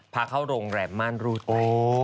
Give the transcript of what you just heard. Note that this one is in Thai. พาเข้าโรงแรมม่านรูด